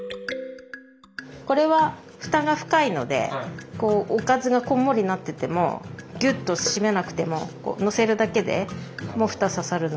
これは蓋が深いのでおかずがこんもりなっててもギュッと閉めなくても載せるだけでもう蓋ささるので。